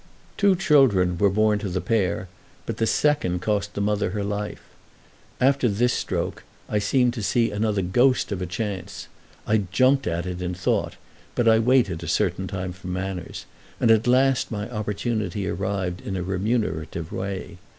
Two children were born to the pair, but the second cost the mother her life. After this stroke I seemed to see another ghost of a chance. I jumped at it in thought, but I waited a certain time for manners, and at last my opportunity arrived in a remunerative way.